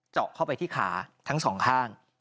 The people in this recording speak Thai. เจาะเข้าไปที่ขาทั้งสองข้าง